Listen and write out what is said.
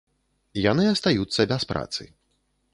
Яны астаюцца без працы.